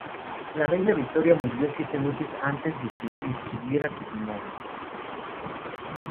La reina Victoria murió siete meses antes de que estuviera terminado.